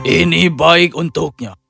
ini baik untuknya